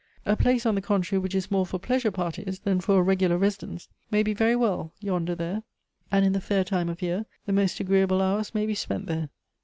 A place, on the contrary, which ■ is more for pleasure parties than for a regular residence, may be very well yonder there, and in the fair time Of year the most agreeable hours may be spent there."